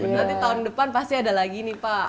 nanti tahun depan pasti ada lagi nih pak